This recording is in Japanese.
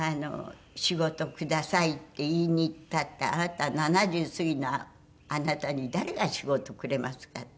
「仕事くださいって言いに行ったってあなた７０過ぎのあなたに誰が仕事をくれますか」